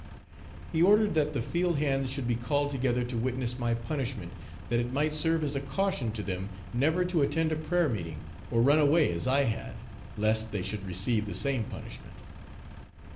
He ordered that the field hands should be called together to witness my punishment, that it might serve as a caution to them never to attend a prayer meeting, or runaway as I had, lest they should receive the same punishment.